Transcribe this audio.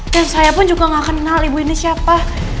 dan saya pun juga gak akan ngehal ibu ini siapa